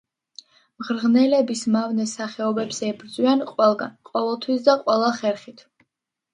მღრღნელების მავნე სახეობებს ებრძვიან ყველგან, ყოველთვის და ყველა ხერხით.